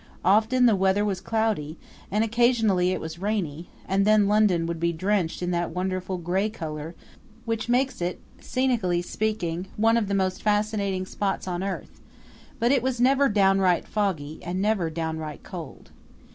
Often the weather was cloudy, and occasionally it was rainy; and then London would be drenched in that wonderful gray color which makes it, scenically speaking, one of the most fascinating spots on earth; but it was never downright foggy and never downright cold.